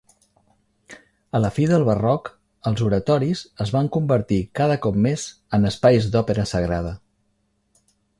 A la fi del barroc, els oratoris es van convertir cada cop més en espais d'òpera sagrada.